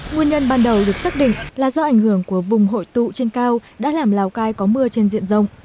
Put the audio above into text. nguyên nhân ban đầu được xác định là do ảnh hưởng của vùng hội tụ trên cao đã làm lào cai có mưa trên diện rộng